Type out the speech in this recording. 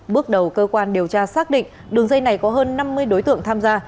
bước đầu cơ quan điều tra xác định đường dây này có hơn năm mươi đối tượng tham gia